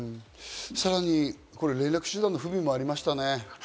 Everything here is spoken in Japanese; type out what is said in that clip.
さらに連絡手段の不備もありましたね。